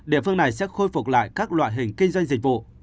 địa phương này sẽ khôi phục lại các loại hình kinh doanh dịch vụ